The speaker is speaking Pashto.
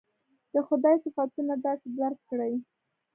د خدای صفتونه داسې درک کړي.